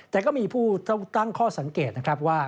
แต่ก็มีผู้ตั้งข้อสังเกตนะครับว่า